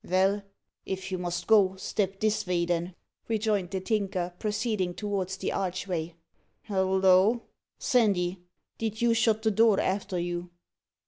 "Vell, if you must go, step this vay, then," rejoined the Tinker, proceeding towards the archway. "Halloa, Sandy, did you shut the door arter you?"